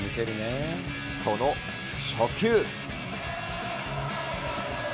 その初球。